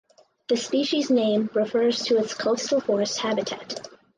The species name refers its coastal forest habitat.